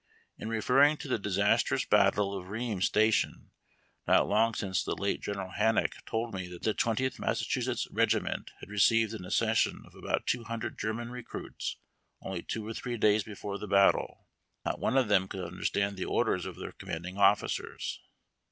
In referring to the disastrous battle of Reams Station, not long since, the late General Hancock told me that the Twentieth Massachusetts Regiment had received an accession of about two hundred German i ecruits only two or three days before the battle, not one of whom could understand the orders of their commandinsf officers.